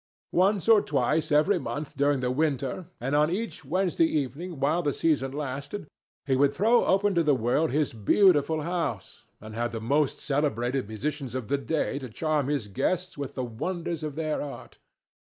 Once or twice every month during the winter, and on each Wednesday evening while the season lasted, he would throw open to the world his beautiful house and have the most celebrated musicians of the day to charm his guests with the wonders of their art.